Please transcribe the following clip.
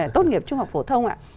tốt nghiệp trung học phổ thông